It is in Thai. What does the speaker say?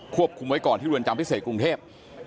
คุมไว้ก่อนที่เรือนจำพิเศษกรุงเทพ